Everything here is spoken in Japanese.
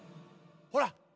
ほら。